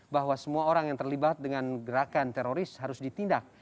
bahwa semua orang yang terlibat dengan gerakan teroris harus ditindak